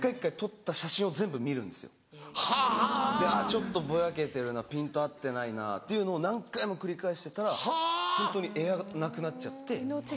ちょっとぼやけてるなピント合ってないなっていうのを何回も繰り返してたらホントにエアがなくなっちゃって。